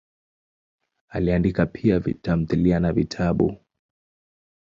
Aliandika pia tamthilia na vitabu.